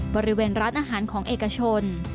บริเวณร้านอาหารของเอกชน